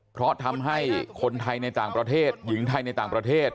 เพราะทำให้คนไทยในต่างประเทศหญิงไทยในต่างประเทศ